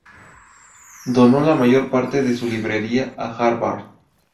Donó la mayor parte de su librería a Harvard.